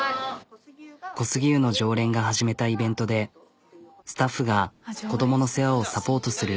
小杉湯の常連が始めたイベントでスタッフが子供の世話をサポートする。